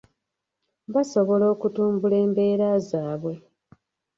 Basobola okutumbula embeera zaabwe.